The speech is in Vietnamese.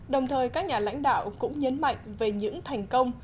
đồng thời các nhà lãnh đạo cũng nhấn mạnh về những thành công